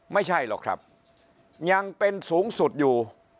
ไม่ใช่หรอกครับยังเป็นสูงสุดอยู่